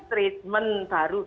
di rumah sakit